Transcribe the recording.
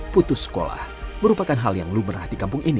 putus sekolah merupakan hal yang lumrah di kampung ini